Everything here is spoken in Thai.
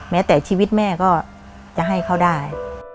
แม้แต่ชีวิตแม่ก็จะให้เขาได้